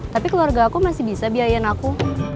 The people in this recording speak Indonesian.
tapi keluarga aku masih bisa biayain aku